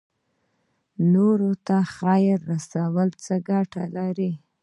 نورو ته خیر رسول څه ګټه لري؟